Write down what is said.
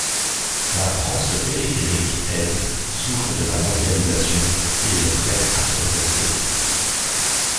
La France périphérique, elle, souffre de la mondialisation et est prête à se révolter.